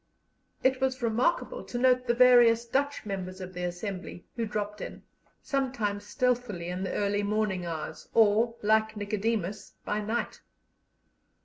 It was remarkable to note the various Dutch members of the Assembly who dropped in, sometimes stealthily in the early morning hours, or, like Nicodemus, by night.